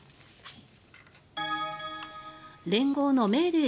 連合のメーデー